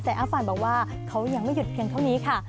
แต่อาฟันบอกว่าเขายังไม่หยุดเพียงเท่านี้ค่ะ